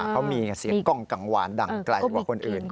เขามีเสียงกล้องกังวานดังไกลกว่าคนอื่น